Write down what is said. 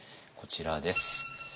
こちらです。